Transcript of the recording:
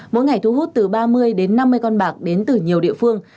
mỗi ngày thu hút từ ba mươi đến năm mươi con bạc đến từ nhiều địa phương